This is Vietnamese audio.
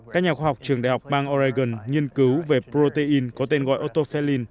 các nhà khoa học trường đại học bang oregon nghiên cứu về protein có tên gọi autophelin